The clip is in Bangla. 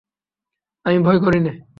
আমি ভয় করি নে।